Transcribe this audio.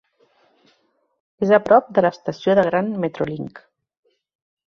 És a prop de l'estació de Grand MetroLink.